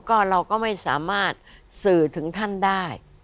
ก็เราก็ไม่สามารถสื่อถึงท่านได้